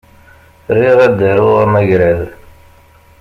Riɣ ad d-aruɣ amagrad.